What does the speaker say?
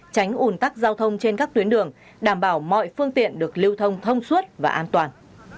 tránh ủn tắc giao thông trên các tuyến đường đảm bảo mọi phương tiện được lưu thông thông suốt và an toàn